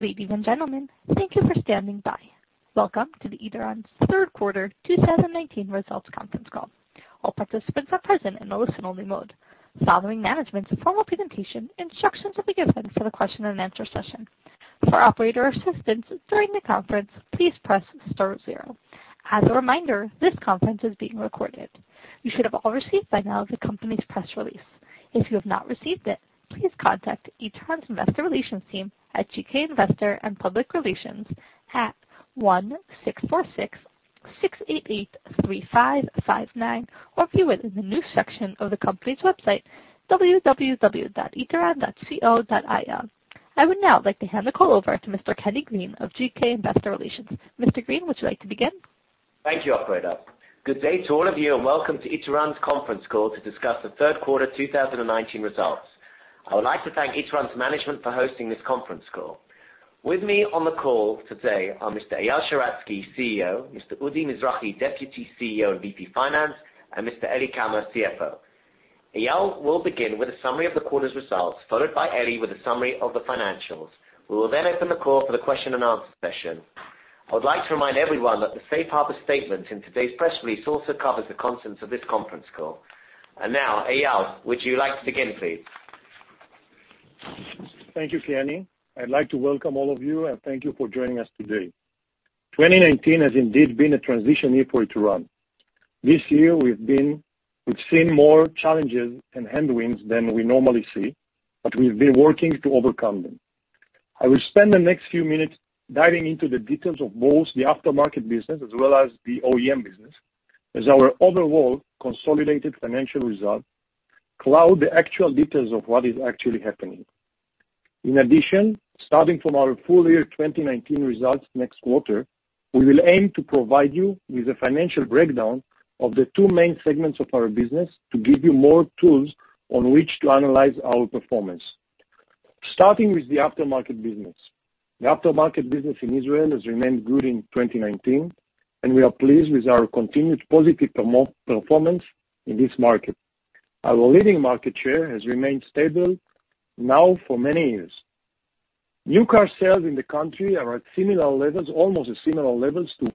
Ladies and gentlemen, thank you for standing by. Welcome to the Ituran third quarter 2019 results conference call. All participants are present in a listen-only mode. Following management's formal presentation, instructions will be given for the question and answer session. For operator assistance during the conference, please press star zero. As a reminder, this conference is being recorded. You should have all received by now the company's press release. If you have not received it, please contact Ituran's investor relations team at GK Investor and Public Relations at 1-646-688-3559 or view it in the news section of the company's website, www.ituran.co.il. I would now like to hand the call over to Mr. Kenny Green of GK Investor Relations. Mr. Green, would you like to begin? Thank you, operator. Good day to all of you, and welcome to Ituran's conference call to discuss the third quarter 2019 results. I would like to thank Ituran's management for hosting this conference call. With me on the call today are Mr. Eyal Sheratzky, CEO, Mr. Udi Mizrahi, Deputy CEO and VP Finance, and Mr. Eli Kamer, CFO. Eyal will begin with a summary of the quarter's results, followed by Eli with a summary of the financials. We will then open the call for the question and answer session. I would like to remind everyone that the safe harbor statement in today's press release also covers the contents of this conference call. Now, Eyal, would you like to begin, please? Thank you, Kenny. I'd like to welcome all of you, and thank you for joining us today. 2019 has indeed been a transition year for Ituran. This year, we've seen more challenges and headwinds than we normally see, but we've been working to overcome them. I will spend the next few minutes diving into the details of both the aftermarket business as well as the OEM business, as our overall consolidated financial results cloud the actual details of what is actually happening. In addition, starting from our full-year 2019 results next quarter, we will aim to provide you with a financial breakdown of the two main segments of our business to give you more tools on which to analyze our performance. Starting with the aftermarket business. The aftermarket business in Israel has remained good in 2019, and we are pleased with our continued positive performance in this market. Our leading market share has remained stable now for many years. New car sales in the country are at similar levels, almost at similar levels to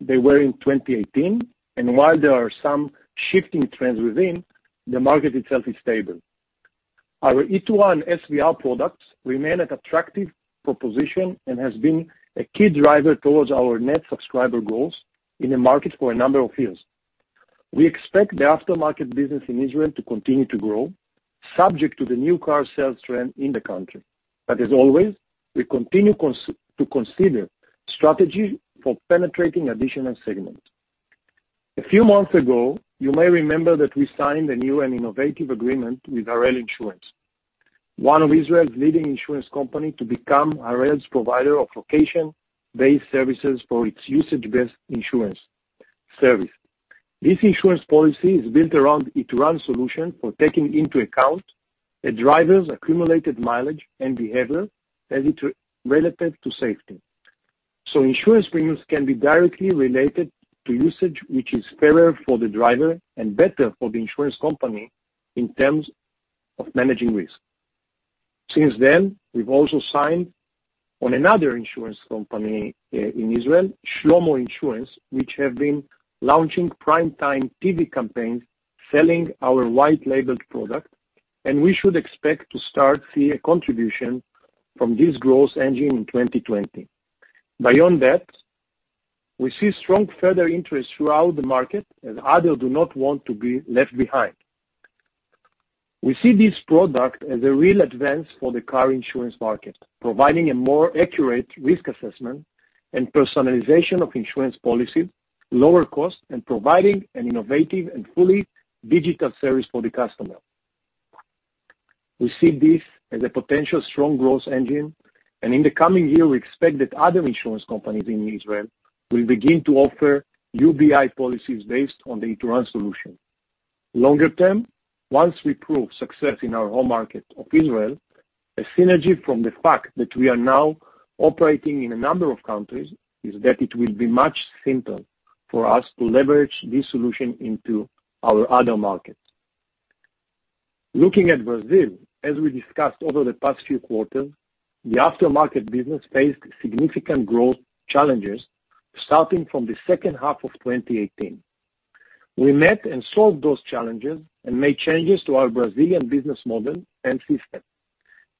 they were in 2018. While there are some shifting trends within, the market itself is stable. Our Ituran SVR products remain an attractive proposition and has been a key driver towards our net subscriber goals in the market for a number of years. We expect the aftermarket business in Israel to continue to grow, subject to the new car sales trend in the country. As always, we continue to consider strategy for penetrating additional segments. A few months ago, you may remember that we signed a new and innovative agreement with Harel Insurance, one of Israel's leading insurance company, to become Harel's provider of location-based services for its usage-based insurance service. This insurance policy is built around Ituran solution for taking into account a driver's accumulated mileage and behavior as it is relevant to safety. Insurance premiums can be directly related to usage, which is fairer for the driver and better for the insurance company in terms of managing risk. We've also signed on another insurance company in Israel, Shlomo Insurance, which have been launching primetime TV campaigns selling our white-labeled product, and we should expect to start see a contribution from this growth engine in 2020. We see strong further interest throughout the market, as others do not want to be left behind. We see this product as a real advance for the car insurance market, providing a more accurate risk assessment and personalization of insurance policy, lower cost, and providing an innovative and fully digital service for the customer. We see this as a potential strong growth engine, and in the coming year, we expect that other insurance companies in Israel will begin to offer UBI policies based on the Ituran solution. Longer term, once we prove success in our home market of Israel, a synergy from the fact that we are now operating in a number of countries is that it will be much simpler for us to leverage this solution into our other markets. Looking at Brazil, as we discussed over the past few quarters, the aftermarket business faced significant growth challenges starting from the second half of 2018. We met and solved those challenges and made changes to our Brazilian business model and system,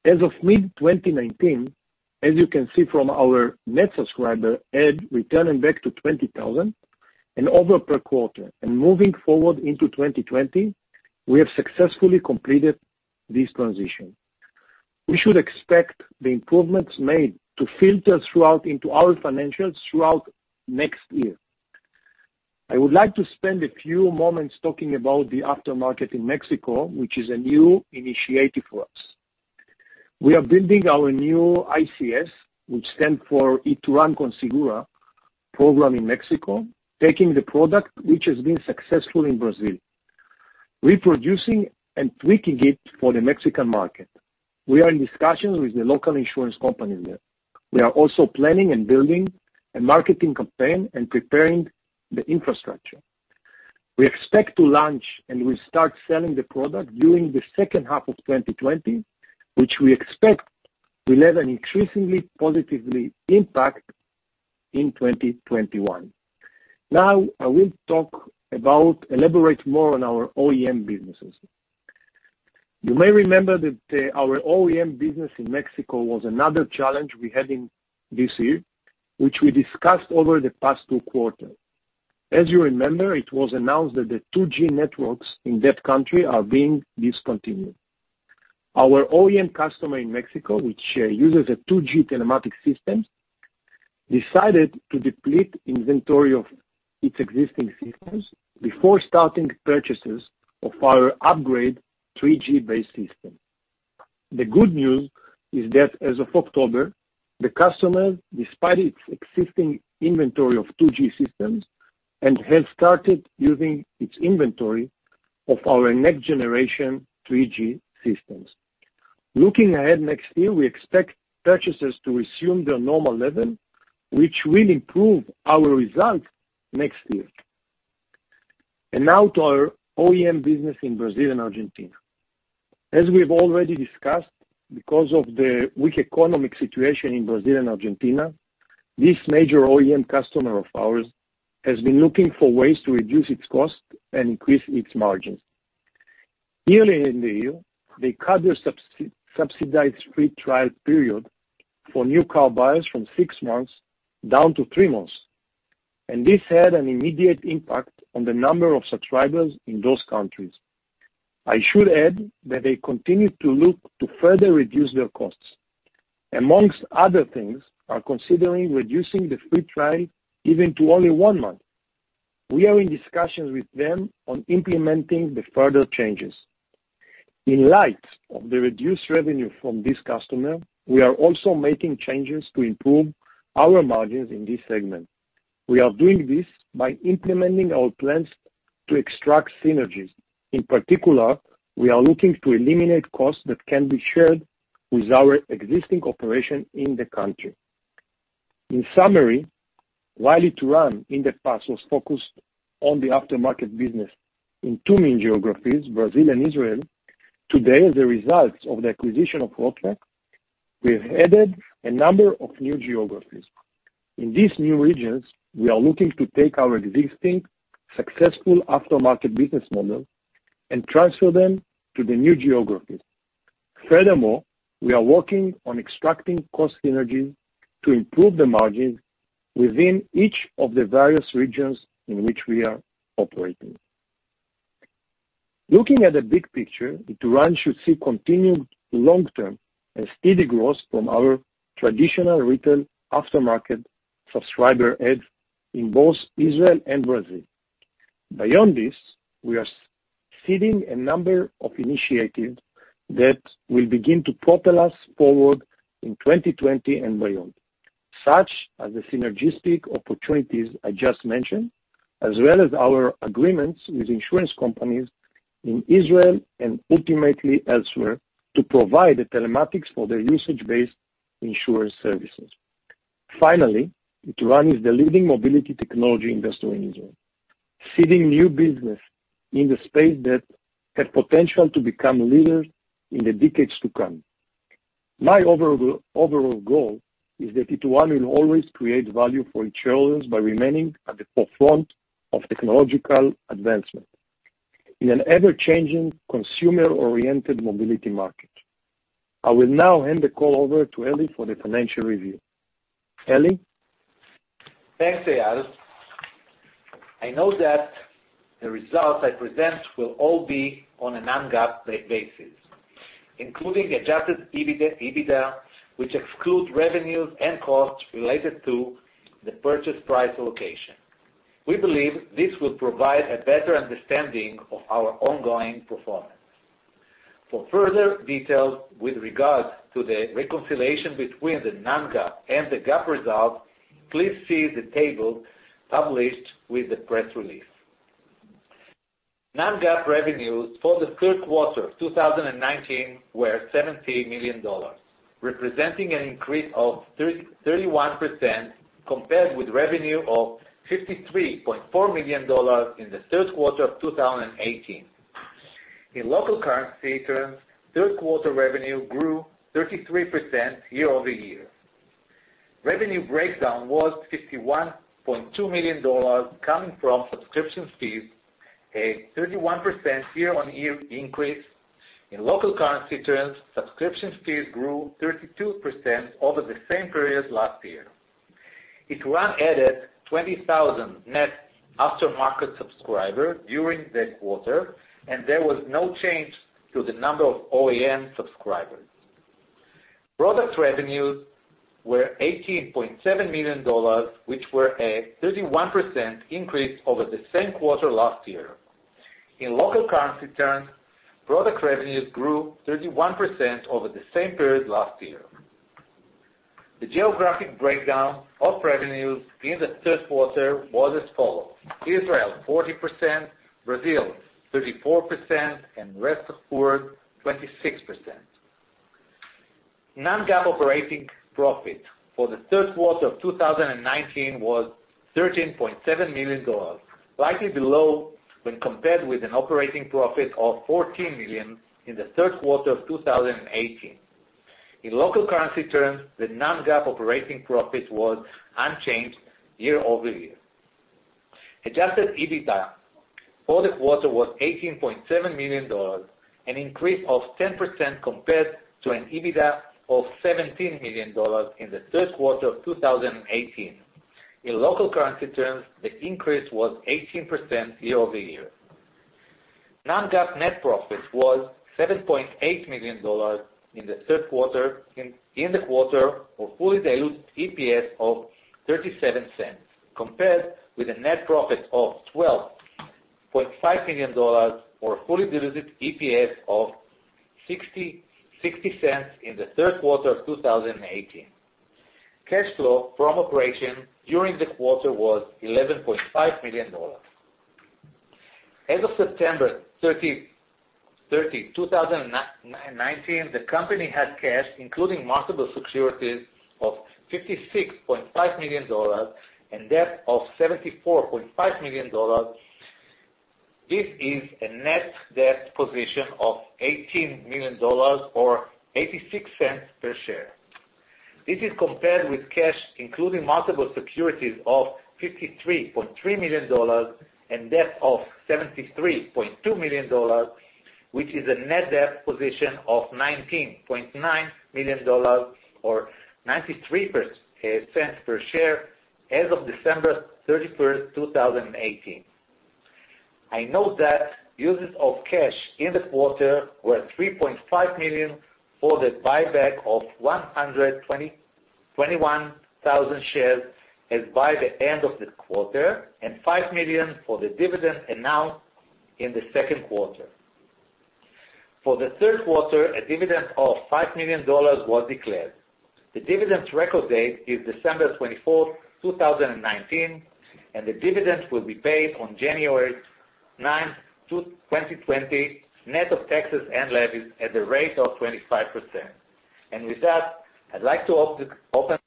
as of mid-2019, as you can see from our net subscriber add returning back to 20,000 and over per quarter. Moving forward into 2020, we have successfully completed this transition. We should expect the improvements made to filter throughout into our financials throughout next year. I would like to spend a few moments talking about the aftermarket in Mexico, which is a new initiative for us. We are building our new ICS, which stand for Ituran con Seguro program in Mexico, taking the product which has been successful in Brazil, reproducing and tweaking it for the Mexican market. We are in discussions with the local insurance company there. We are also planning and building a marketing campaign and preparing the infrastructure. We expect to launch and will start selling the product during the second half of 2020, which we expect will have an increasingly positive impact in 2021. Now, I will elaborate more on our OEM businesses. You may remember that our OEM business in Mexico was another challenge we had in this year, which we discussed over the past two quarters. As you remember, it was announced that the 2G networks in that country are being discontinued. Our OEM customer in Mexico, which uses a 2G telematic system, decided to deplete inventory of its existing systems before starting purchases of our upgrade 3G-based system. The good news is that as of October, the customer, despite its existing inventory of 2G systems, and has started using its inventory of our next-generation 3G systems. Looking ahead next year, we expect purchases to resume their normal level, which will improve our results next year. Now to our OEM business in Brazil and Argentina. As we've already discussed, because of the weak economic situation in Brazil and Argentina, this major OEM customer of ours has been looking for ways to reduce its cost and increase its margins. Earlier in the year, they cut their subsidized free trial period for new car buyers from six months down to three months, and this had an immediate impact on the number of subscribers in those countries. I should add that they continue to look to further reduce their costs. Amongst other things, they are considering reducing the free trial even to only one month. We are in discussions with them on implementing the further changes. In light of the reduced revenue from this customer, we are also making changes to improve our margins in this segment. We are doing this by implementing our plans to extract synergies. In particular, we are looking to eliminate costs that can be shared with our existing operation in the country. In summary, while Ituran in the past was focused on the aftermarket business in two main geographies, Brazil and Israel, today, as a result of the acquisition of Road Track, we have added a number of new geographies. In these new regions, we are looking to take our existing successful aftermarket business model and transfer them to the new geographies. Furthermore, we are working on extracting cost synergies to improve the margins within each of the various regions in which we are operating. Looking at the big picture, Ituran should see continued long-term and steady growth from our traditional retail aftermarket subscriber adds in both Israel and Brazil. Beyond this, we are seeding a number of initiatives that will begin to propel us forward in 2020 and beyond, such as the synergistic opportunities I just mentioned, as well as our agreements with insurance companies in Israel and ultimately elsewhere to provide the telematics for their usage-based insurance services. Finally, Ituran is the leading mobility technology investor in Israel, seeding new business in the space that has potential to become leaders in the decades to come. My overall goal is that Ituran will always create value for its shareholders by remaining at the forefront of technological advancement in an ever-changing, consumer-oriented mobility market. I will now hand the call over to Eli for the financial review. Eli? Thanks, Eyal. I know that the results I present will all be on a non-GAAP basis, including adjusted EBITDA, which excludes revenues and costs related to the purchase price allocation. We believe this will provide a better understanding of our ongoing performance. For further details with regards to the reconciliation between the non-GAAP and the GAAP results, please see the table published with the press release. Non-GAAP revenues for the third quarter 2019 were $70 million, representing an increase of 31% compared with revenue of $53.4 million in the third quarter of 2018. In local currency terms, third quarter revenue grew 33% year-over-year. Revenue breakdown was $51.2 million coming from subscription fees, a 31% year-on-year increase. In local currency terms, subscription fees grew 32% over the same period last year. Ituran added 20,000 net aftermarket subscribers during the quarter, and there was no change to the number of OEM subscribers. Product revenues were $18.7 million, which were a 31% increase over the same quarter last year. In local currency terms, product revenues grew 31% over the same period last year. The geographic breakdown of revenues in the third quarter was as follows: Israel 40%, Brazil 34%, and rest of world 26%. Non-GAAP operating profit for the third quarter of 2019 was $13.7 million, slightly below when compared with an operating profit of $14 million in the third quarter of 2018. In local currency terms, the non-GAAP operating profit was unchanged year-over-year. Adjusted EBITDA for the quarter was $18.7 million, an increase of 10% compared to an EBITDA of $17 million in the third quarter of 2018. In local currency terms, the increase was 18% year-over-year. Non-GAAP net profit was $7.8 million in the quarter for fully diluted EPS of $0.37, compared with a net profit of $12.5 million for fully diluted EPS of $0.60 in the third quarter of 2018. Cash flow from operations during the quarter was $11.5 million. As of September 30, 2019, the company had cash, including marketable securities of $56.5 million and debt of $74.5 million. This is a net debt position of $18 million or $0.86 per share. This is compared with cash, including marketable securities of $53.3 million and debt of $73.2 million, which is a net debt position of $19.9 million or $0.93 per share as of December 31st, 2018. I note that uses of cash in the quarter were $3.5 million for the buyback of 121,000 shares as by the end of the quarter, and $5 million for the dividend announced in the second quarter. For the third quarter, a dividend of $5 million was declared. The dividend's record date is December 24th, 2019, and the dividend will be paid on January 9th, 2020, net of taxes and levies at the rate of 25%. With that, I'd like to open the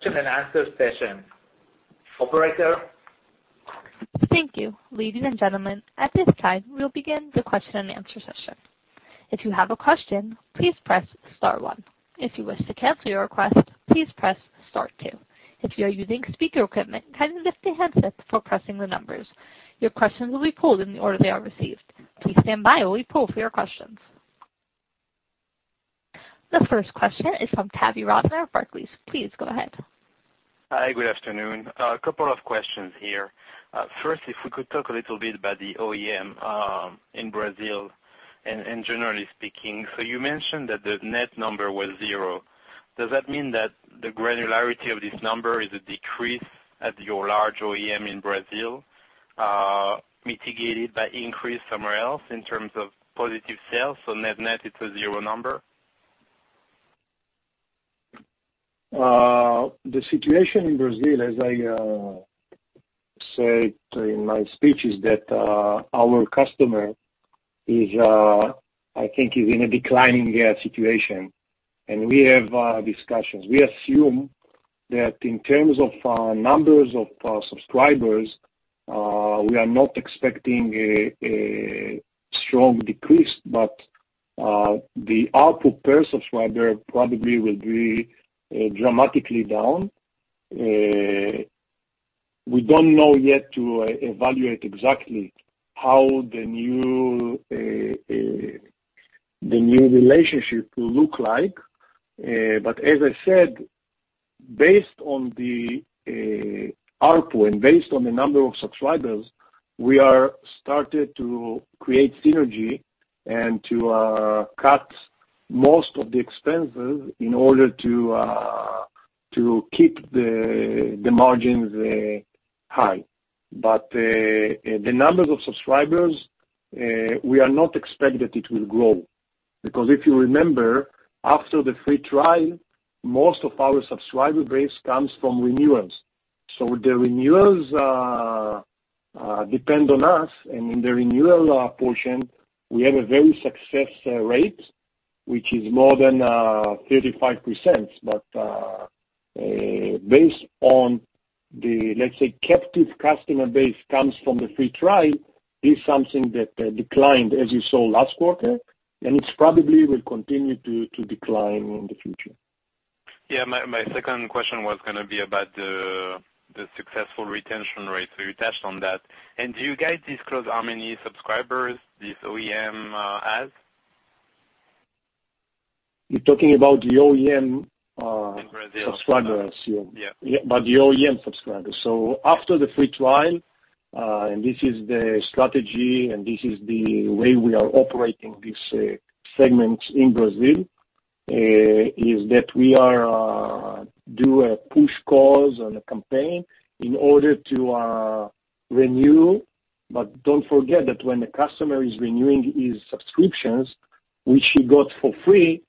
question and answer session. Operator? Thank you. Ladies and gentlemen, at this time, we'll begin the question and answer session. If you have a question, please press star one. If you wish to cancel your request, please press star two. If you are using speaker equipment, kindly lift the handsets before pressing the numbers. Your questions will be pulled in the order they are received. Please stand by while we pull for your questions. The first question is from Tavy Rosner, Barclays. Please go ahead. Hi. Good afternoon. A couple of questions here. First, if we could talk a little bit about the OEM in Brazil, and generally speaking. You mentioned that the net number was zero. Does that mean that the granularity of this number is a decrease at your large OEM in Brazil, mitigated by increase somewhere else in terms of positive sales, so net it's a zero number? The situation in Brazil, as I said in my speech, is that our customer is, I think, in a declining situation, and we have discussions. We assume that in terms of numbers of subscribers, we are not expecting a strong decrease, but the output per subscriber probably will be dramatically down. We don't know yet to evaluate exactly how the new relationship will look like. As I said, based on the output and based on the number of subscribers, we are started to create synergy and to cut most of the expenses in order to keep the margins high. The numbers of subscribers, we are not expecting that it will grow, because if you remember, after the free trial, most of our subscriber base comes from renewals. The renewals depend on us, and in the renewal portion, we have a very success rate, which is more than 35%. Based on the, let's say, captive customer base comes from the free trial, is something that declined as you saw last quarter, and it probably will continue to decline in the future. Yeah. My second question was going to be about the successful retention rate, so you touched on that. Do you guys disclose how many subscribers this OEM has? You're talking about the OEM- In Brazil. subscribers, you mean? Yeah. About the OEM subscribers. After the free trial, and this is the strategy and this is the way we are operating this segment in Brazil, is that we do a push calls on a campaign in order to renew. Don't forget that when the customer is renewing his subscriptions, which he got for free,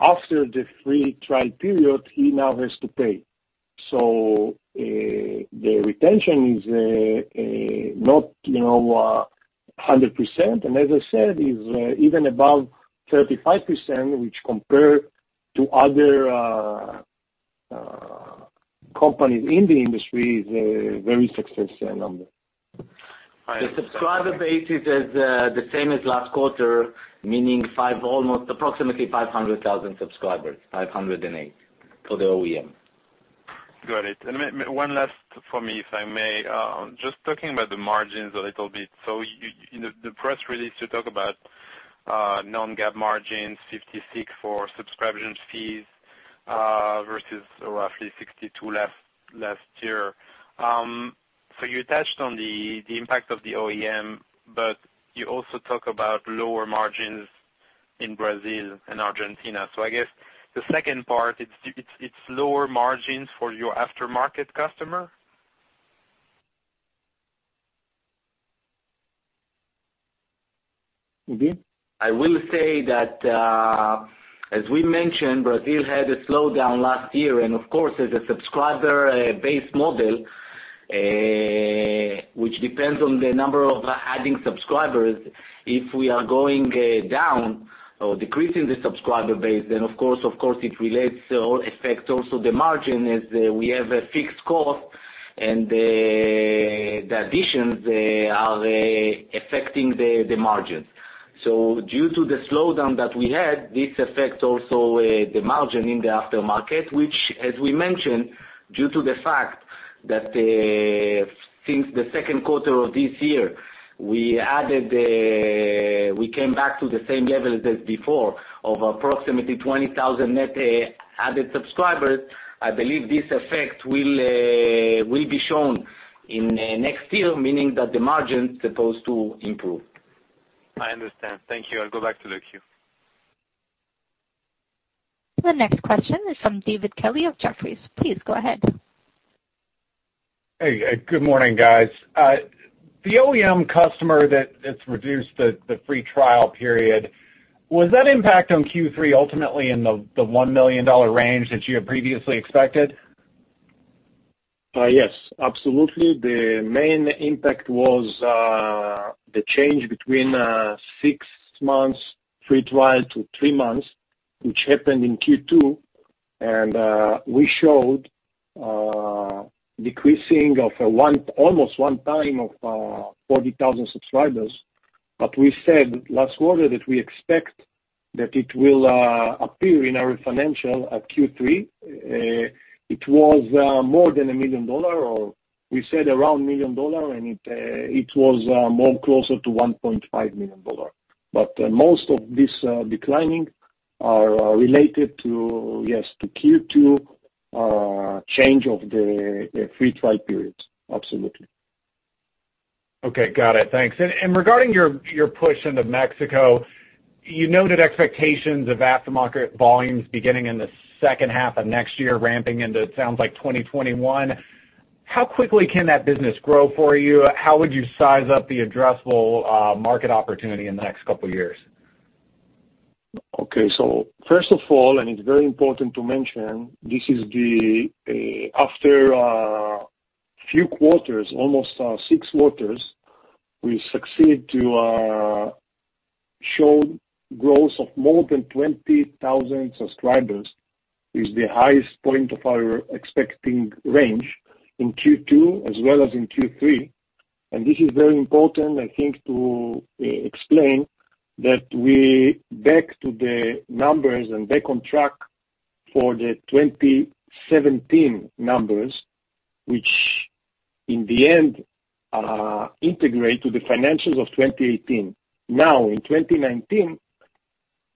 after the free trial period, he now has to pay. The retention is not 100%, and as I said, is even above 35%, which compared to other companies in the industry, is a very successful number. I understand. The subscriber base is the same as last quarter, meaning almost approximately 500,000 subscribers, 508 for the OEM. Got it. One last for me, if I may, just talking about the margins a little bit. In the press release, you talk about non-GAAP margins, 56% for subscription fees versus roughly 62% last year. You touched on the impact of the OEM, but you also talk about lower margins in Brazil and Argentina. I guess the second part, it's lower margins for your aftermarket customer? Udi? I will say that, as we mentioned, Brazil had a slowdown last year, and of course, as a subscriber-based model, which depends on the number of adding subscribers, if we are going down or decreasing the subscriber base, then of course it relates or affects also the margin as we have a fixed cost, and the additions, they are affecting the margins. Due to the slowdown that we had, this affects also the margin in the aftermarket, which, as we mentioned, due to the fact that since the second quarter of this year, we came back to the same level as before of approximately 20,000 net added subscribers. I believe this effect will be shown in next year, meaning that the margin is supposed to improve. I understand. Thank you. I'll go back to the queue. The next question is from David Kelley of Jefferies. Please go ahead. Hey, good morning, guys. The OEM customer that's reduced the free trial period, was that impact on Q3 ultimately in the ILS 1 million range that you had previously expected? Yes, absolutely. The main impact was the change between six months free trial to three months, which happened in Q2, and we showed decreasing of almost one time of 40,000 subscribers. We said last quarter that we expect that it will appear in our financial at Q3. It was more than 1 million ILS, or we said around 1 million ILS, it was more closer to ILS 1.5 million. Most of this declining are related to, yes, to Q2 change of the free trial periods. Absolutely. Okay, got it. Thanks. Regarding your push into Mexico, you noted expectations of aftermarket volumes beginning in the second half of next year, ramping into, it sounds like 2021. How quickly can that business grow for you? How would you size up the addressable market opportunity in the next couple of years? Okay, so first of all, and it's very important to mention, after a few quarters, almost six quarters, we succeed to show growth of more than 20,000 subscribers, is the highest point of our expecting range in Q2 as well as in Q3. This is very important, I think, to explain that we're back to the numbers and back on track for the 2017 numbers, which in the end integrate to the financials of 2018. Now, in 2019,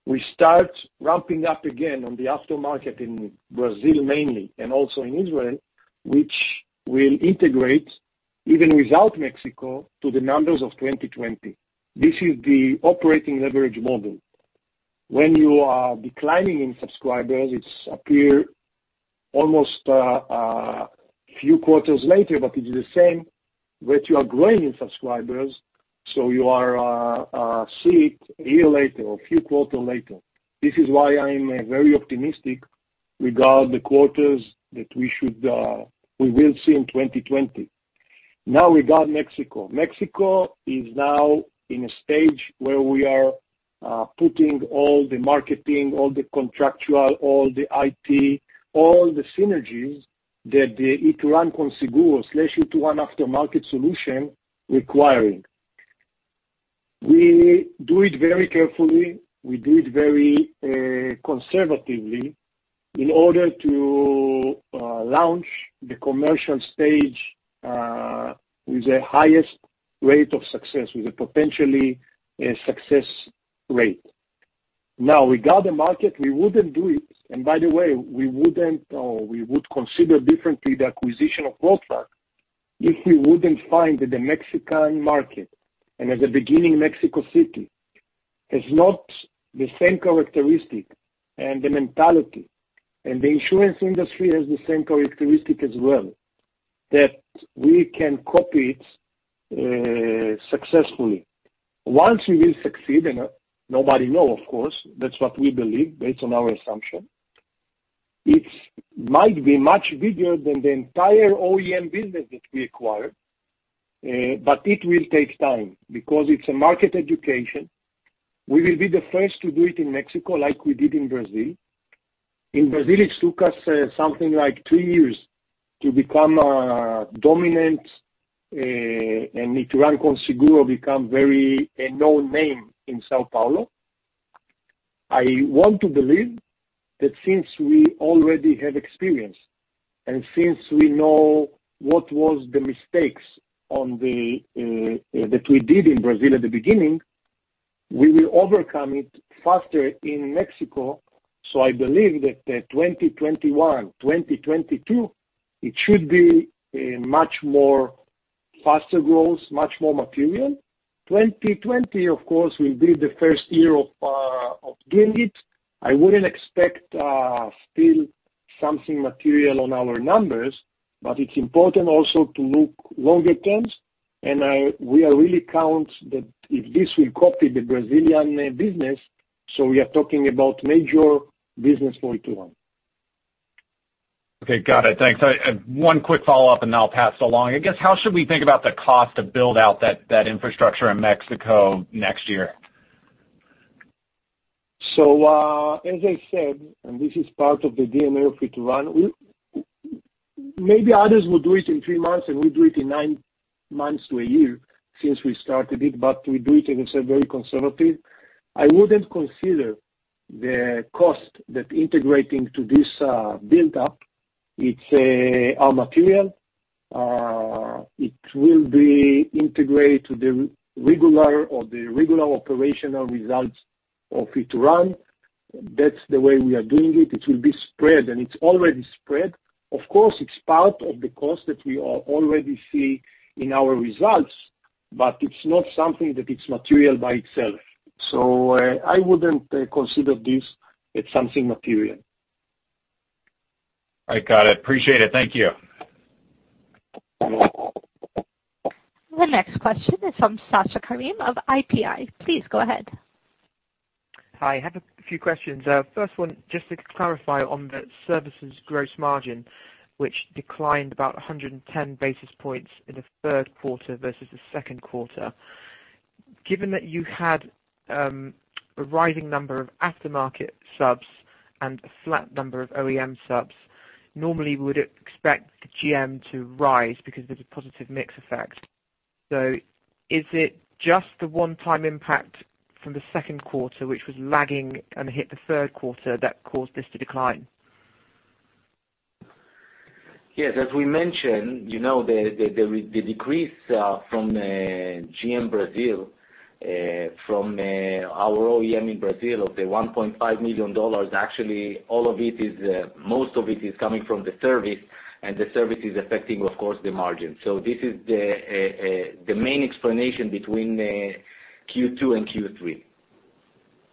we start ramping up again on the aftermarket in Brazil mainly, and also in Israel, which will integrate, even without Mexico, to the numbers of 2020. This is the operating leverage model. When you are declining in subscribers, it appears almost a few quarters later, but it's the same with you are growing in subscribers, so you see it a year later or a few quarters later. This is why I'm very optimistic regarding the quarters that we will see in 2020. Now regarding Mexico. Mexico is now in a stage where we are putting all the marketing, all the contractual, all the IT, all the synergies that the Ituran con Seguro/Ituran aftermarket solution requiring. We do it very carefully. We do it very conservatively in order to launch the commercial stage, with the highest rate of success, with a potentially success rate. Now, regarding market, we wouldn't do it, and by the way, we would consider differently the acquisition of Road Track if we wouldn't find that the Mexican market, and at the beginning, Mexico City, has not the same characteristic and the mentality, and the insurance industry has the same characteristic as well, that we can copy it successfully. Once we will succeed, and nobody know, of course, that's what we believe based on our assumption, it might be much bigger than the entire OEM business that we acquired. It will take time because it's a market education. We will be the first to do it in Mexico like we did in Brazil. In Brazil, it took us something like two years to become dominant, and Ituran com Seguros become a known name in São Paulo. I want to believe that since we already have experience, and since we know what was the mistakes that we did in Brazil at the beginning, we will overcome it faster in Mexico. I believe that 2021, 2022, it should be a much more faster growth, much more material. 2020, of course, will be the first year of doing it. I wouldn't expect still something material on our numbers, but it's important also to look longer terms. We really count that if this will copy the Brazilian business, so we are talking about major business for Ituran. Okay, got it. Thanks. One quick follow-up, and I'll pass it along. I guess, how should we think about the cost to build out that infrastructure in Mexico next year? As I said, and this is part of the DNA of Ituran. Maybe others will do it in three months, and we do it in nine months to a year since we started it, but we do it in a very conservative. I wouldn't consider the cost that integrating to this buildup, it's our material. It will be integrated to the regular or the irregular operational results of Ituran. That's the way we are doing it. It will be spread, and it's already spread. Of course, it's part of the cost that we already see in our results, but it's not something that is material by itself. I wouldn't consider this as something material. All right, got it. Appreciate it. Thank you. The next question is from Sasha Karim of IPI. Please go ahead. Hi, I have a few questions. First one, just to clarify on the services gross margin, which declined about 110 basis points in the third quarter versus the second quarter. Given that you had a rising number of aftermarket subs and a flat number of OEM subs, normally we would expect the GM to rise because of the positive mix effect. Is it just the one-time impact from the second quarter, which was lagging and hit the third quarter that caused this to decline? Yes, as we mentioned, the decrease from GM Brazil, from our OEM in Brazil of the $1.5 million, actually most of it is coming from the service, and the service is affecting, of course, the margin. This is the main explanation between Q2 and Q3.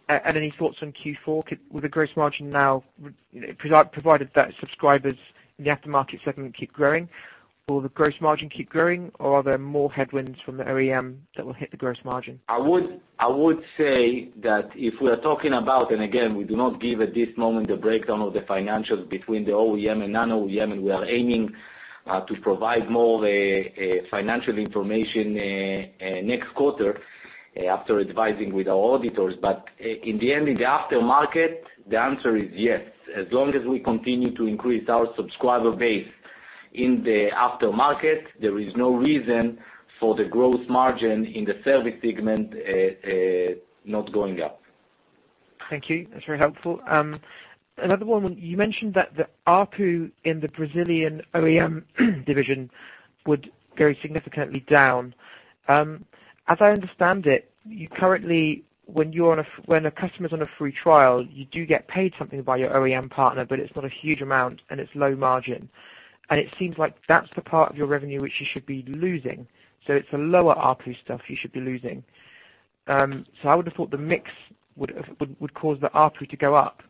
Any thoughts on Q4? With the gross margin now, provided that subscribers in the aftermarket segment keep growing, will the gross margin keep growing, or are there more headwinds from the OEM that will hit the gross margin? I would say that if we're talking about, again, we do not give at this moment the breakdown of the financials between the OEM and non-OEM, we are aiming to provide more financial information next quarter after advising with our auditors. In the end, in the aftermarket, the answer is yes. As long as we continue to increase our subscriber base in the aftermarket, there is no reason for the gross margin in the service segment not going up. Thank you. That's very helpful. Another one, you mentioned that the ARPU in the Brazilian OEM division would go significantly down. As I understand it, currently, when a customer is on a free trial, you do get paid something by your OEM partner, but it's not a huge amount and it's low margin. It seems like that's the part of your revenue which you should be losing. It's the lower ARPU stuff you should be losing. I would have thought the mix would cause the ARPU to go up.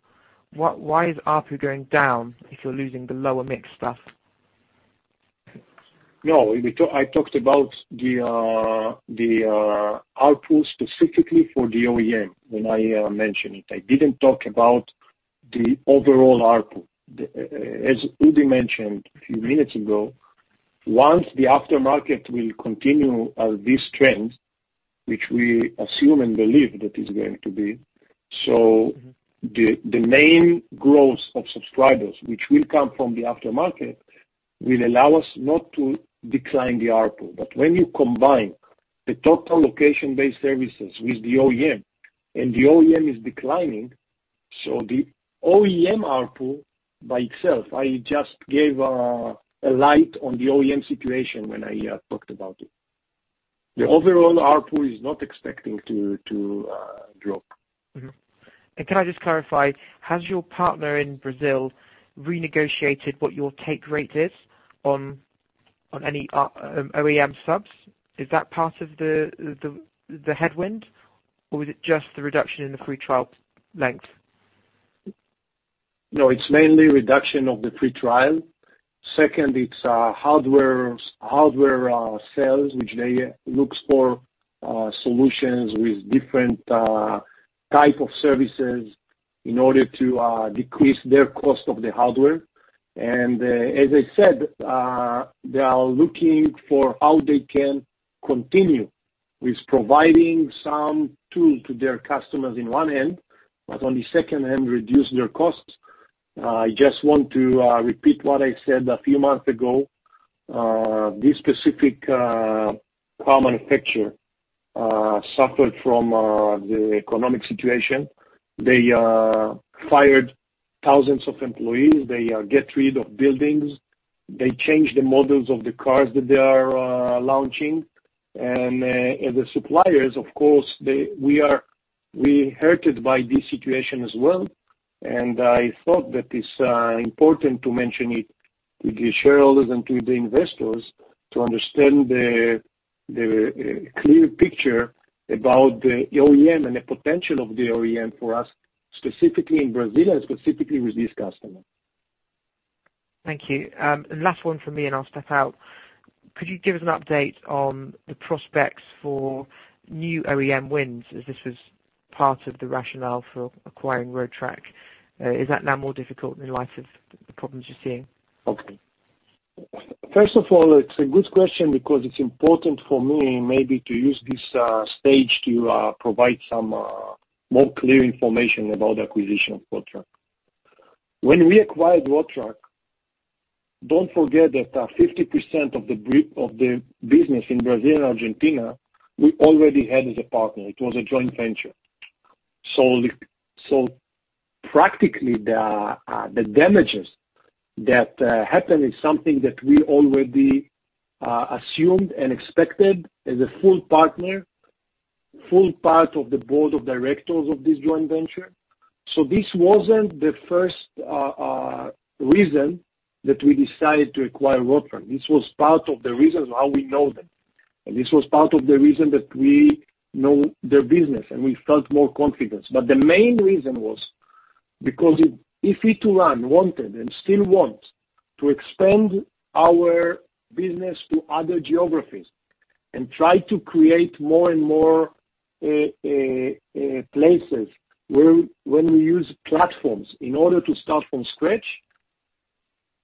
Why is ARPU going down if you're losing the lower mix stuff? I talked about the ARPU specifically for the OEM when I mentioned it. I didn't talk about the overall ARPU. As Udi mentioned a few minutes ago, once the aftermarket will continue this trend, which we assume and believe that is going to be, the main growth of subscribers, which will come from the aftermarket, will allow us not to decline the ARPU. When you combine the total location-based services with the OEM, the OEM is declining, the OEM ARPU by itself, I just gave a light on the OEM situation when I talked about it. The overall ARPU is not expecting to drop. Can I just clarify, has your partner in Brazil renegotiated what your take rate is on any OEM subs? Is that part of the headwind, or is it just the reduction in the free trial length? No, it's mainly reduction of the free trial. Second, it's hardware sales, which they look for solutions with different type of services in order to decrease their cost of the hardware. As I said, they are looking for how they can continue with providing some tool to their customers in one end, but on the second end, reduce their costs. I just want to repeat what I said a few months ago. This specific car manufacturer suffered from the economic situation. They fired thousands of employees. They get rid of buildings. They change the models of the cars that they are launching. The suppliers, of course, we are hurted by this situation as well. I thought that it's important to mention it to the shareholders and to the investors to understand the clear picture about the OEM and the potential of the OEM for us, specifically in Brazil and specifically with this customer. Thank you. Last one from me, and I'll step out. Could you give us an update on the prospects for new OEM wins, as this was part of the rationale for acquiring RoadTrack? Is that now more difficult in light of the problems you're seeing? Okay. First of all, it's a good question because it's important for me maybe to use this stage to provide some more clear information about acquisition of Road Track. When we acquired Road Track, don't forget that 50% of the business in Brazil and Argentina, we already had as a partner. It was a joint venture. Practically, the damages that happened is something that we already assumed and expected as a full partner, full part of the board of directors of this joint venture. This wasn't the first reason that we decided to acquire Road Track. This was part of the reason how we know them, and this was part of the reason that we know their business, and we felt more confidence. The main reason was because if Ituran wanted and still wants to expand our business to other geographies and try to create more and more places where when we use platforms in order to start from scratch,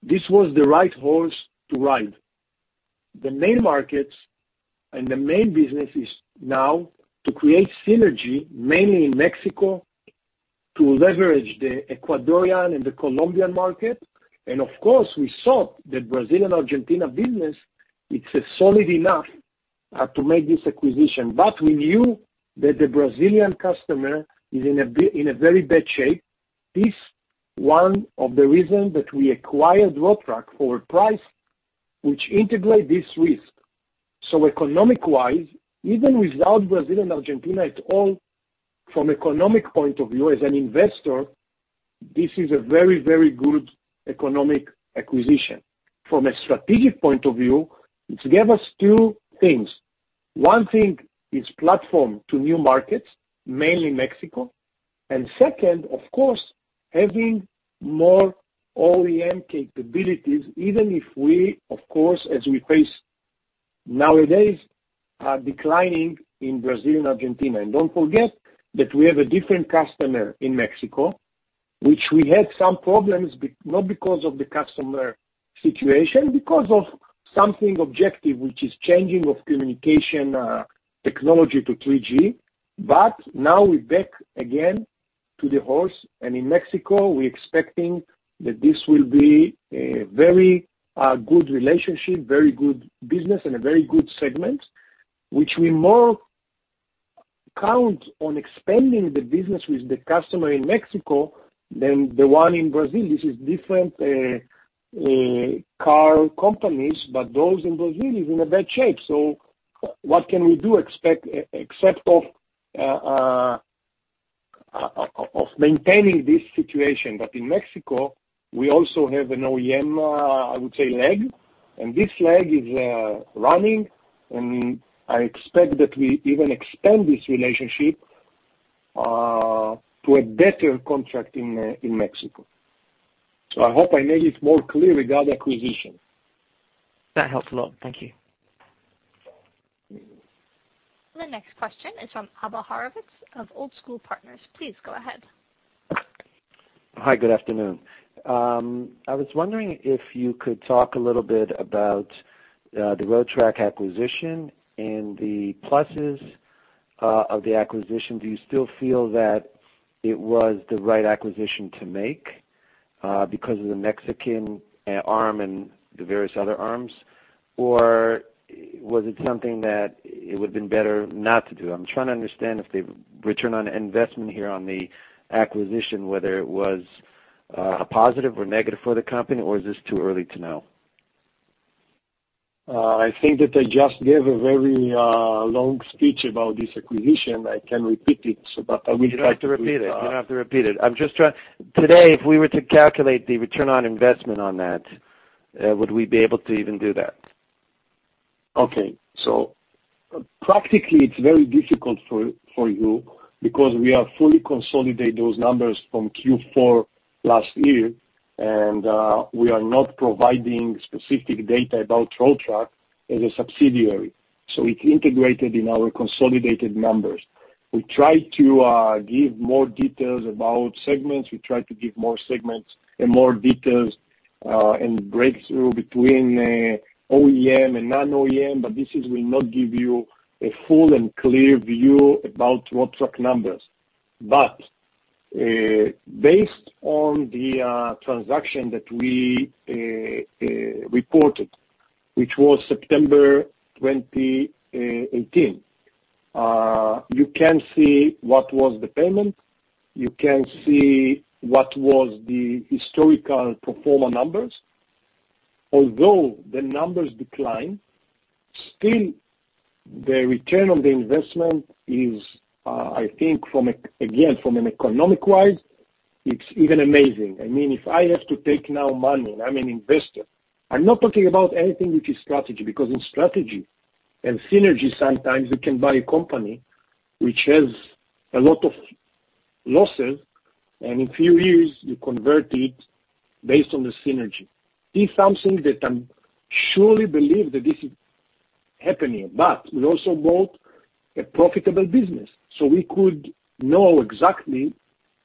this was the right horse to ride. The main markets and the main business is now to create synergy, mainly in Mexico, to leverage the Ecuadorian and the Colombian market. Of course, we saw that Brazil and Argentina business, it's solid enough to make this acquisition. We knew that the Brazilian customer is in a very bad shape. This one of the reasons that we acquired Road Track for a price which integrate this risk. Economic-wise, even without Brazil and Argentina at all, from economic point of view, as an investor, this is a very, very good economic acquisition. From a strategic point of view, it gave us two things. One thing is platform to new markets, mainly Mexico. Second, of course, having more OEM capabilities, even if we, of course, as we face nowadays, are declining in Brazil and Argentina. Don't forget that we have a different customer in Mexico, which we had some problems, not because of the customer situation, because of something objective, which is changing of communication technology to 3G. Now we're back again to the horse, and in Mexico, we expecting that this will be a very good relationship, very good business, and a very good segment, which we more count on expanding the business with the customer in Mexico than the one in Brazil. This is different car companies, but those in Brazil is in a bad shape. What can we do except of maintaining this situation? In Mexico, we also have an OEM, I would say, leg, and this leg is running, and I expect that we even expand this relationship to a better contract in Mexico. I hope I made it more clear regarding acquisition. That helps a lot. Thank you. The next question is from Abba Horwitz of Old School Partners. Please go ahead. Hi, good afternoon. I was wondering if you could talk a little bit about the Road Track acquisition and the pluses of the acquisition. Do you still feel that it was the right acquisition to make because of the Mexican arm and the various other arms? Was it something that it would have been better not to do? I'm trying to understand if the return on investment here on the acquisition, whether it was a positive or negative for the company, or is this too early to know? I think that I just gave a very long speech about this acquisition. I can repeat it. You don't have to repeat it. Today, if we were to calculate the return on investment on that, would we be able to even do that? Practically, it's very difficult for you because we have fully consolidated those numbers from Q4 last year, and we are not providing specific data about RoadTrack as a subsidiary. It's integrated in our consolidated numbers. We try to give more details about segments. We try to give more segments and more details, and breakthrough between OEM and non-OEM, this will not give you a full and clear view about RoadTrack numbers. Based on the transaction that we reported, which was September 2018, you can see what was the payment, you can see what was the historical pro forma numbers. Although the numbers decline, still, the return on the investment is, I think, again, from an economic-wise, it's even amazing. If I have to take now money and I'm an investor, I'm not talking about anything which is strategy, because in strategy and synergy, sometimes you can buy a company which has a lot of losses, and in few years, you convert it based on the synergy. This is something that I surely believe that this is happening. We also bought a profitable business, so we could know exactly,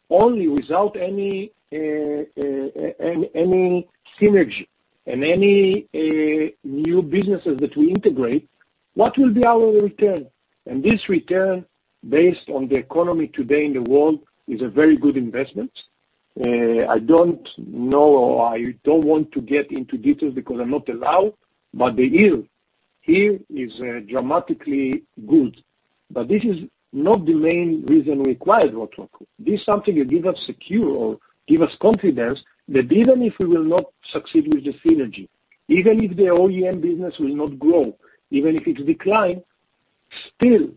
only without any synergy and any new businesses that we integrate, what will be our return. This return, based on the economy today in the world, is a very good investment. I don't know, I don't want to get into details because I'm not allowed, but the yield here is dramatically good. This is not the main reason we acquired Road Track. This is something that give us confidence that even if we will not succeed with the synergy, even if the OEM business will not grow, even if it decline, still,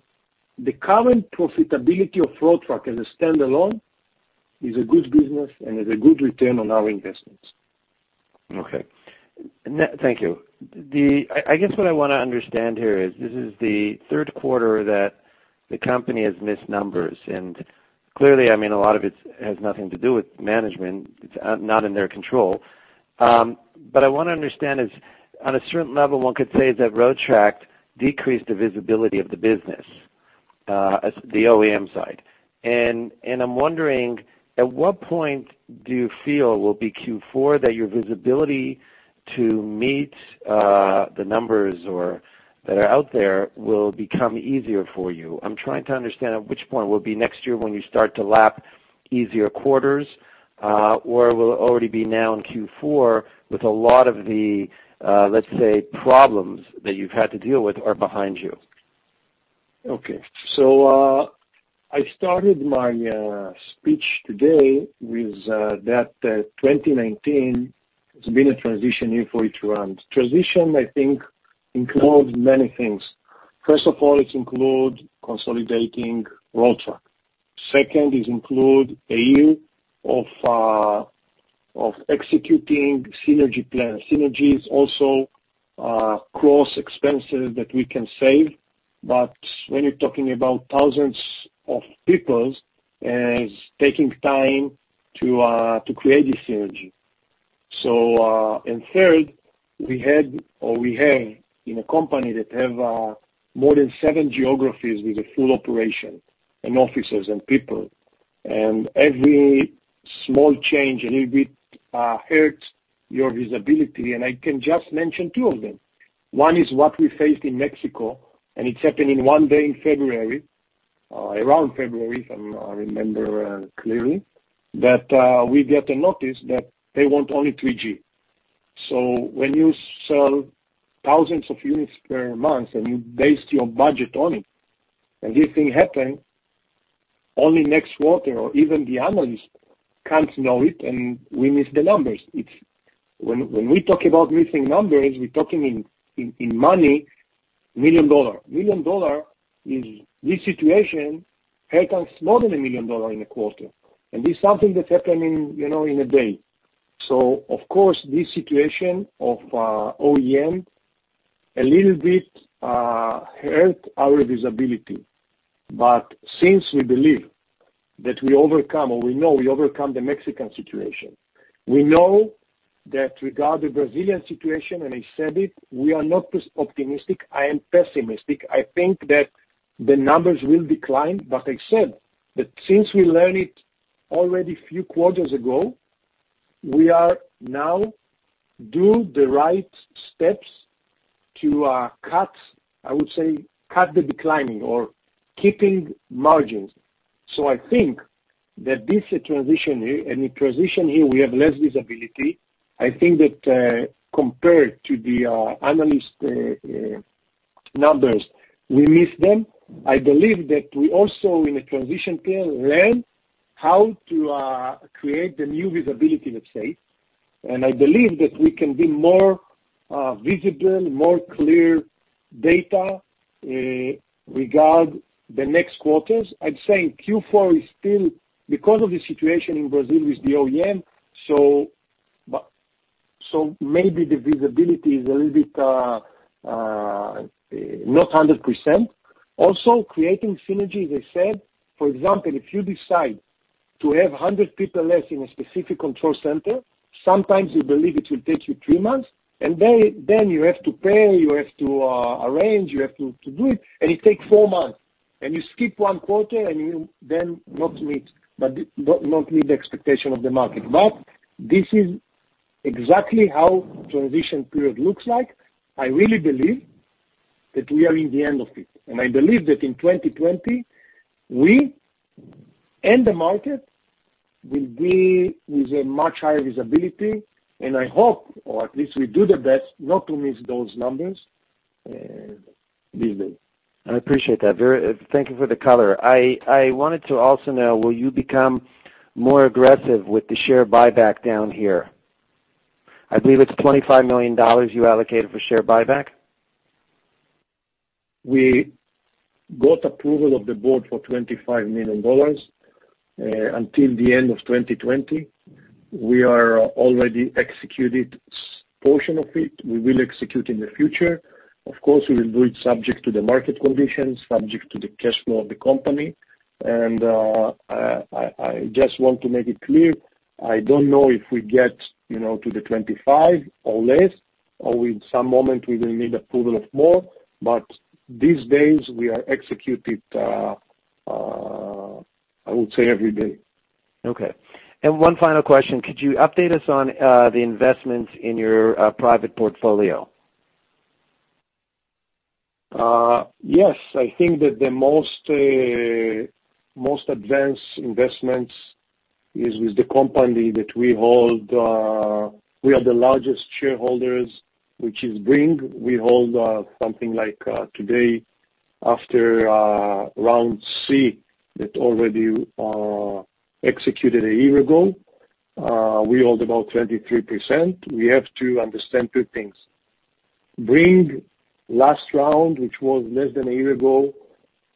the current profitability of Road Track as a standalone is a good business and is a good return on our investments. Okay. Thank you. I guess what I want to understand here is this is the third quarter that the company has missed numbers, clearly, I mean, a lot of it has nothing to do with management. It's not in their control. I want to understand is, on a certain level, one could say that Road Track decreased the visibility of the business, the OEM side. I'm wondering, at what point do you feel will be Q4 that your visibility to meet the numbers that are out there will become easier for you? I'm trying to understand at which point. Will be next year when you start to lap easier quarters, or will it already be now in Q4 with a lot of the, let's say, problems that you've had to deal with are behind you? Okay. I started my speech today with that 2019, it's been a transition year for Ituran. Transition, I think, includes many things. First of all, it includes consolidating Road Track. Second, it include a year of executing synergy plan. Synergy is also cross expenses that we can save, when you're talking about thousands of people, it's taking time to create the synergy. Third, we had or we have in a company that have more than seven geographies with a full operation and offices and people, every small change, a little bit hurts your visibility, and I can just mention two of them. One is what we faced in Mexico, it happened in one day in February, around February, if I remember clearly, that we get a notice that they want only 3G. When you sell thousands of units per month and you base your budget on it, and this thing happen, only next quarter or even the analyst can't know it, and we miss the numbers. When we talk about missing numbers, we're talking in money, ILS 1 million. ILS 1 million, in this situation, hurt us more than ILS 1 million in a quarter. This is something that happened in a day. Of course, this situation of OEM a little bit hurt our visibility. Since we believe that we overcome or we know we overcome the Mexican situation, we know that regard the Brazilian situation, and I said it, we are not optimistic. I am pessimistic. I think that the numbers will decline, but I said that since we learn it already few quarters ago, we are now do the right steps to cut, I would say, cut the declining or keeping margins. I think that this transition here, and in transition here, we have less visibility. I think that compared to the analyst numbers, we miss them. I believe that we also, in a transition period, learn how to create the new visibility, let's say. I believe that we can be more visible, more clear data regard the next quarters. I'm saying Q4 is still because of the situation in Brazil with the OEM, so maybe the visibility is a little bit not 100%. Also, creating synergy, they said, for example, if you decide to have 100 people less in a specific control center, sometimes you believe it will take you three months, and then you have to pay, you have to arrange, you have to do it, and it takes four months. You skip one quarter, and you then not meet the expectation of the market. This is exactly how transition period looks like. I really believe that we are in the end of it, and I believe that in 2020, we and the market will be with a much higher visibility, and I hope, or at least we do the best not to miss those numbers, believe me. I appreciate that. Thank you for the color. I wanted to also know, will you become more aggressive with the share buyback down here? I believe it's ILS 25 million you allocated for share buyback. We got approval of the board for ILS 25 million until the end of 2020. We are already executed portion of it. We will execute in the future. Of course, we will do it subject to the market conditions, subject to the cash flow of the company. I just want to make it clear, I don't know if we get to the 25 or less, or in some moment, we will need approval of more, but these days we are executed, I would say every day. Okay. One final question. Could you update us on the investment in your private portfolio? Yes. I think that the most advanced investments is with the company that we hold. We are the largest shareholders, which is Bringg. We hold something like today after round C that already executed a year ago, we hold about 23%. We have to understand two things. Bringg last round, which was less than a year ago,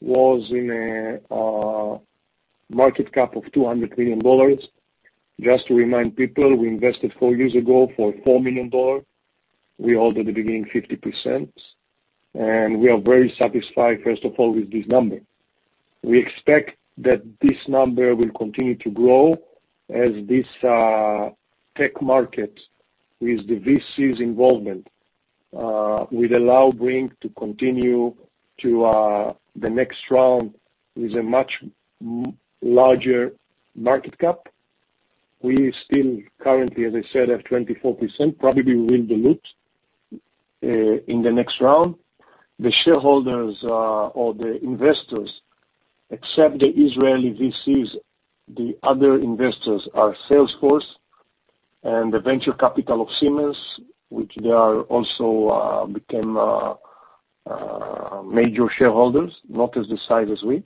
was in a market cap of $200 million. Just to remind people, we invested four years ago for $4 million. We hold at the beginning 50%, and we are very satisfied, first of all, with this number. We expect that this number will continue to grow as this tech market with the VCs involvement will allow Bringg to continue to the next round with a much larger market cap. We still currently, as I said, have 24%, probably we will dilute in the next round. The shareholders or the investors, except the Israeli VCs, the other investors are Salesforce and the venture capital of Siemens, which they are also became major shareholders, not as the size as we.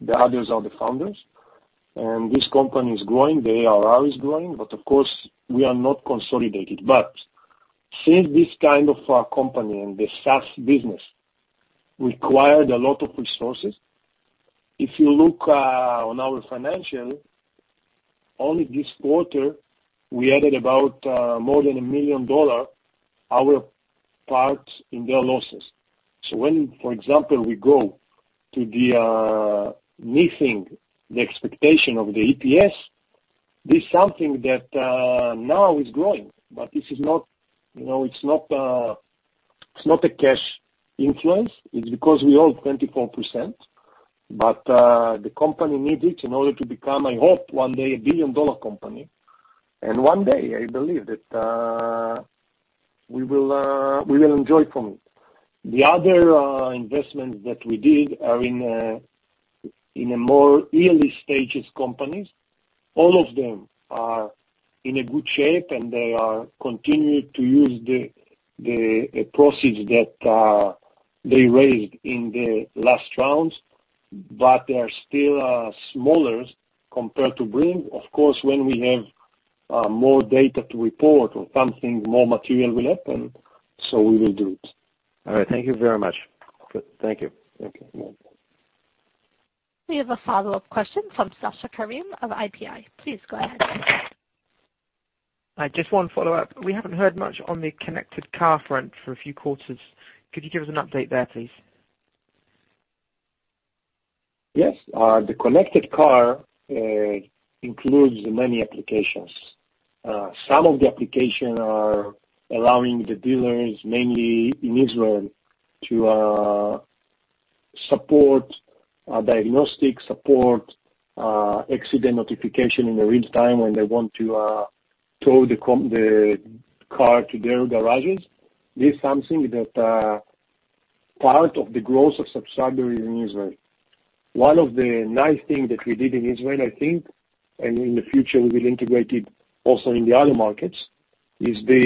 The others are the founders. This company is growing, the ARR is growing, but of course, we are not consolidated. Since this kind of company and the SaaS business required a lot of resources, if you look on our financial, only this quarter, we added about more than ILS 1 million our parts in their losses. When, for example, we go to the missing the expectation of the EPS, this something that now is growing, but it's not a cash influence. It's because we hold 24%, but the company need it in order to become, I hope, one day, a billion-dollar company. One day, I believe that we will enjoy from it. The other investments that we did are in a more early stages companies. All of them are in a good shape, and they are continuing to use the proceeds that they raised in the last rounds, they are still smaller compared to Bringg. Of course, when we have more data to report or something more material will happen, so we will do it. All right. Thank you very much. Thank you. Okay. We have a follow-up question from Sasha Karim of IPI. Please go ahead. Just one follow-up. We haven't heard much on the connected car front for a few quarters. Could you give us an update there, please? Yes. The connected car includes many applications. Some of the applications are allowing the dealers, mainly in Israel, to support a diagnostic support, accident notification in the real time when they want to tow the car to their garages. This is something that part of the growth of subsidiary in Israel. One of the nice things that we did in Israel, I think, and in the future, we will integrate it also in the other markets, is the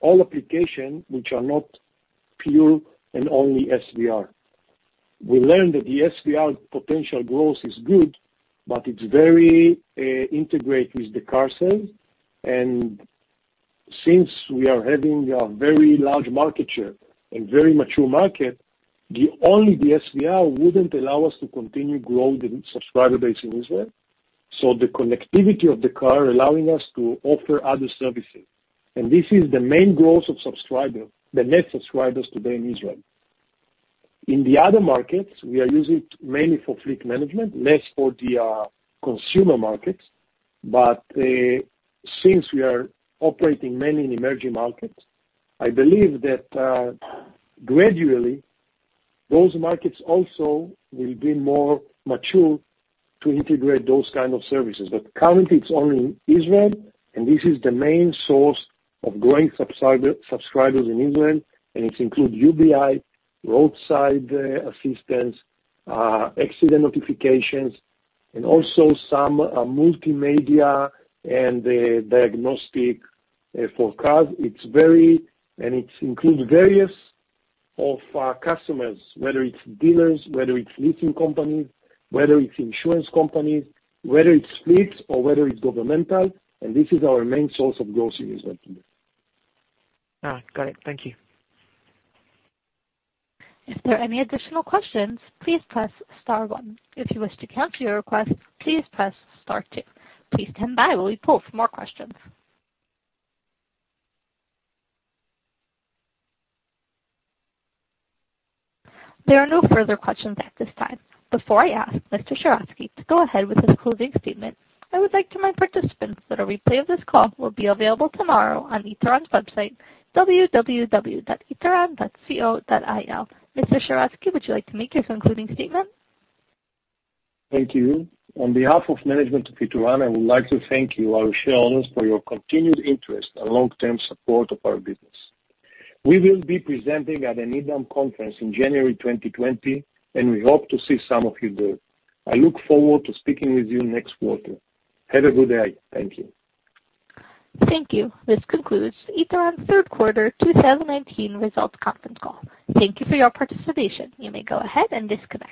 all applications which are not pure and only SVR. We learned that the SVR potential growth is good, but it's very integrated with the car sale. Since we are having a very large market share and very mature market, only the SVR wouldn't allow us to continue to grow the subscriber base in Israel. The connectivity of the car allowing us to offer other services, and this is the main growth of subscriber, the net subscribers today in Israel. In the other markets, we are using it mainly for fleet management, less for the consumer markets. Since we are operating mainly in emerging markets, I believe that gradually those markets also will be more mature to integrate those kind of services. Currently, it's only Israel, and this is the main source of growing subscribers in Israel, and it includes UBI, roadside assistance, accident notifications, and also some multimedia and diagnostic for cars. It includes various of our customers, whether it's dealers, whether it's leasing companies, whether it's insurance companies, whether it's fleets or whether it's governmental, and this is our main source of growth in Israel today. Got it. Thank you. If there are any additional questions, please press star one. If you wish to cancel your request, please press star two. Please stand by while we poll for more questions. There are no further questions at this time. Before I ask Mr. Sheratzky to go ahead with his closing statement, I would like to remind participants that a replay of this call will be available tomorrow on Ituran's website, www.ituran.co.il. Mr. Sheratzky, would you like to make your concluding statement? Thank you. On behalf of management of Ituran, I would like to thank you, our shareholders, for your continued interest and long-term support of our business. We will be presenting at an IDAM conference in January 2020, and we hope to see some of you there. I look forward to speaking with you next quarter. Have a good day. Thank you. Thank you. This concludes Ituran third quarter 2019 results conference call. Thank you for your participation. You may go ahead and disconnect.